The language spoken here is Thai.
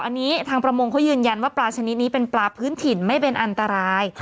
อันนี้ทางประมงเขายืนยันว่าปลาชนิดนี้เป็นปลาพื้นถิ่นไม่เป็นอันตราย